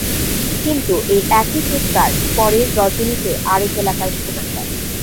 কিন্তু এই একই চিৎকার পরের রজনীতে আরেক এলাকায় শোনা যায়।